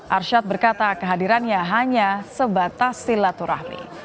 arsyad berkata kehadirannya hanya sebatas silaturahmi